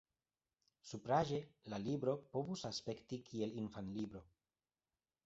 Supraĵe la libro povus aspekti kiel infanlibro.